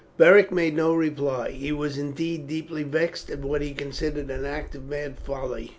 Beric made no reply, he was indeed deeply vexed at what he considered an act of mad folly.